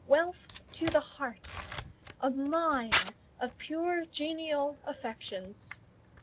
—wealth to the heart!—a mine of pure, genial affections.